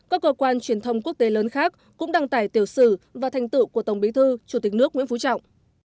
các cơ quan truyền thông quốc tế lớn khác cũng đăng tải tiểu sử và thành tựu của tổng bí thư chủ tịch nước nguyễn phú trọng